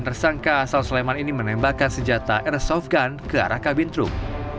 tersangka asal sleman ini menembakkan senjata airsoft gun ke arah kabin truk